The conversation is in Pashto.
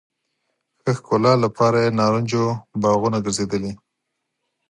ښه ښکلا لپاره یې نارنجو باغونه ګرځېدلي.